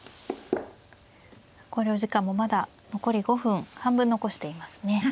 考慮時間もまだ残り５分半分残していますね。